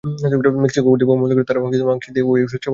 Mexico কর্তৃপক্ষ মনে করেন যে, তারা মাংসের সাথে এ ঔষধ সেবন করেছিল।